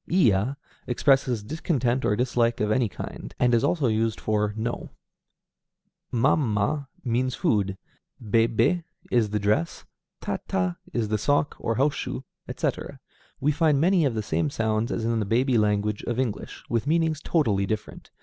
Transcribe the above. Iya expresses discontent or dislike of any kind, and is also used for "no"; mam ma means food; bé bé is the dress; ta ta is the sock, or house shoe, etc. We find many of the same sounds as in the baby language of English, with meanings totally different.